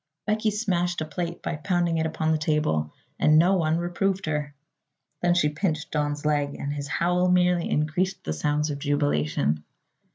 Becky smashed a plate by pounding it upon the table and no one reproved her. Then she pinched Don's leg and his howl merely increased the sounds of jubilation.